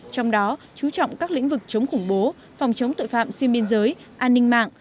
trong đó chú trọng các lĩnh vực chống khủng bố phòng chống tội phạm xuyên biên giới an ninh mạng